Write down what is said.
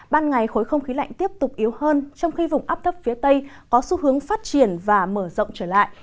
ban ngày khối không khí lạnh tiếp tục yếu hơn trong khi vùng áp thấp phía tây có xu hướng phát triển và mở rộng trở lại